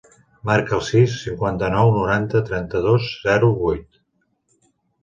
Marca el sis, cinquanta-nou, noranta, trenta-dos, zero, vuit.